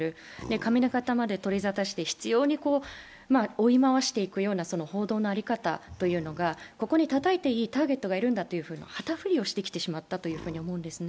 髪形まで取りざたして、執ように追い回していくような報道の在り方というのが、ここに、たたいていいターゲットがいるんだと旗振りをしてきてしまったと思うんです。